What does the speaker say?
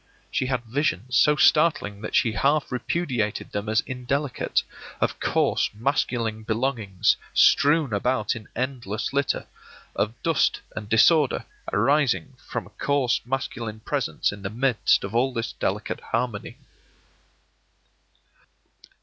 She had visions, so startling that she half repudiated them as indelicate, of coarse masculine belongings strewn about in endless litter; of dust and disorder arising necessarily from a coarse masculine presence in the midst of all this delicate harmony.